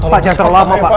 pak jangan terlalu lama pak